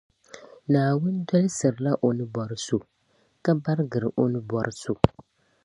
Naawuni dɔlisirila o ni bɔri so, ka barigiri o ni bɔri so.